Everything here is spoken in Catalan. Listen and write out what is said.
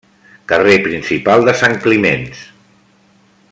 Carrer principal de Sant Climenç.